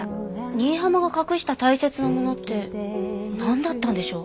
新浜が隠した大切なものってなんだったんでしょう？